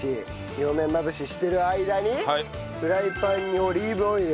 両面まぶししてる間にフライパンにオリーブオイル。